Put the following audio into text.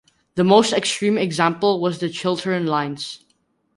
The most extreme example was the Chiltern Lines.